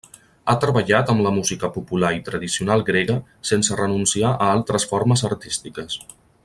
Ha treballat amb la música popular i tradicional grega sense renunciar a altres formes artístiques.